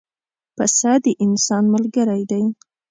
پسه د انسان ملګری دی.